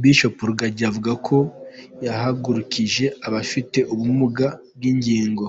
Bishop Rugagi avuga ko yahagurukije abafite ubumuga bw’ingingo